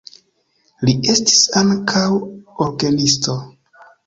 Li estis ankaŭ orgenisto.